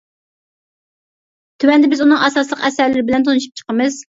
تۆۋەندە بىز ئۇنىڭ ئاساسلىق ئەسەرلىرى بىلەن تونۇشۇپ چىقىمىز.